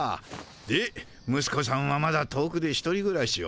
でむすこさんはまだ遠くで１人ぐらしを？